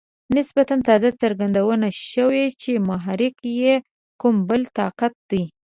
نسبتاً تازه څرګنده شوه چې محرک یې کوم بل طاقت دی.